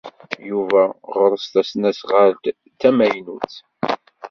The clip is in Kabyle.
Yuba ɣer-s tasnasɣalt d tamaynut.